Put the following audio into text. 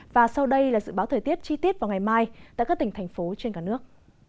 và sau đây là dự báo thời tiết chi tiết vào ngày mai tại các tỉnh thành phố trên cả nước